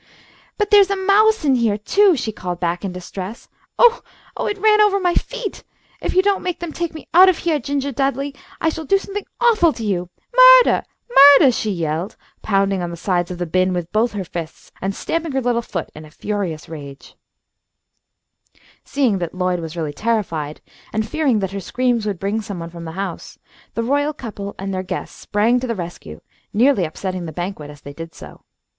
"But there's a mouse in heah, too," she called back, in distress. "Oo! Oo! It ran ovah my feet. If you don't make them take me out of heah, Gingah Dudley, I'll do something awful to you! Murdah! Murdah!" she yelled, pounding on the sides of the bin with both her fists, and stamping her little foot in a furious rage. [Illustration: "THE LITTLE COLONEL HAD BEEN LOWERED INTO A DEEP FEED BIN."] Seeing that Lloyd was really terrified, and fearing that her screams would bring some one from the house, the royal couple and their guests sprang to the rescue, nearly upsetting the banquet as they did so.